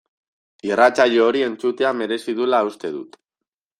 Irratsaio hori entzutea merezi duela uste dut.